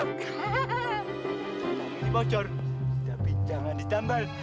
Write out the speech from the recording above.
ini bocor tapi jangan ditambal